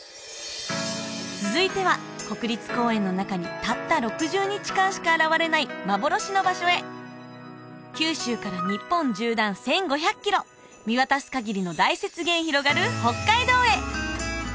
続いては国立公園の中にたった６０日間しか現れない幻の場所へ九州から日本縦断１５００キロ見渡すかぎりの大雪原広がる北海道へ！